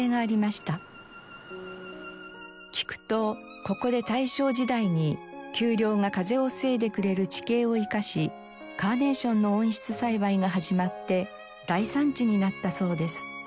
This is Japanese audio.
聞くとここで大正時代に丘陵が風を防いでくれる地形を生かしカーネーションの温室栽培が始まって大産地になったそうです。